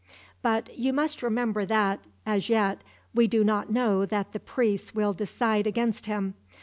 "But you must remember that, as yet, we do not know that the priests will decide against him.